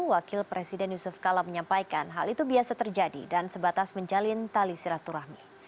wakil presiden yusuf kala menyampaikan hal itu biasa terjadi dan sebatas menjalin tali silaturahmi